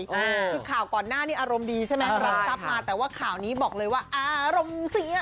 คือข่าวก่อนหน้านี้อารมณ์ดีใช่ไหมรับทรัพย์มาแต่ว่าข่าวนี้บอกเลยว่าอารมณ์เสีย